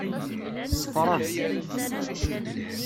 Ṣeffren.